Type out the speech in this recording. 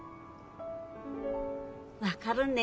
分かるね？